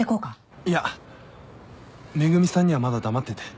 いや恵美さんにはまだ黙ってて。